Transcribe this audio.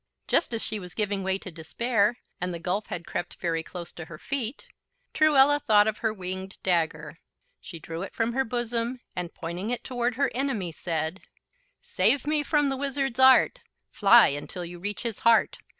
Just as she was giving way to despair, and the gulf had crept very close to her feet, Truella thought of her winged dagger. She drew it from her bosom and, pointing it toward her enemy, said: "Save me from the Wizard's art Fly until you reach his heart.